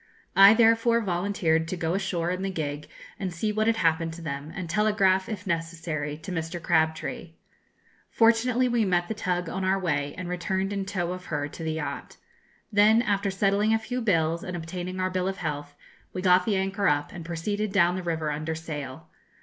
I therefore volunteered to go ashore in the gig and see what had happened to them, and telegraph, if necessary, to Mr. Crabtree. Fortunately, we met the tug on our way, and returned in tow of her to the yacht. Then, after settling a few bills, and obtaining our bill of health, we got the anchor up, and proceeded down the river under sail.